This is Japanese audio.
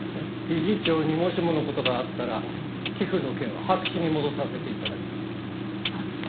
理事長にもしもの事があったら寄付の件は白紙に戻させて頂きます。